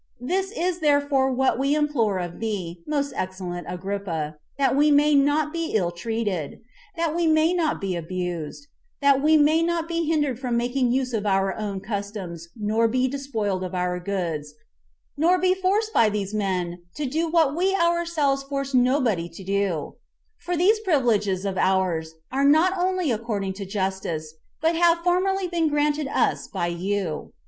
This is therefore what we implore from thee, most excellent Agrippa, that we may not be ill treated; that we may not be abused; that we may not be hindered from making use of our own customs, nor be despoiled of our goods, nor be forced by these men to do what we ourselves force nobody to do; for these privileges of ours are not only according to justice, but have formerly been granted us by you.